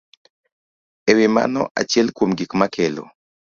E wi mano, achiel kuom gik makelo